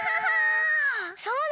そうだ！